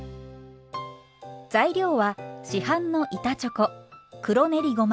材料は市販の板チョコ黒練りごま